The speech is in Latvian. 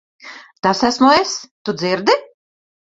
Tas esmu es. Tu dzirdi?